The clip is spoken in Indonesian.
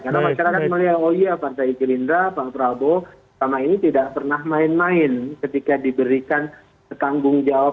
karena masyarakat melihat oh iya partai gerindra pak prabowo sama ini tidak pernah main main ketika diberikan tanggung jawab